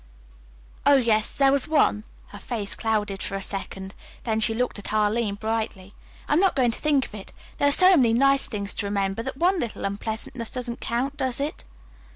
Oh, yes, there was one." Her face clouded for a second. Then she looked at Arline brightly. "I'm not going to think of it. There are so many nice things to remember that one little unpleasantness doesn't count, does it?"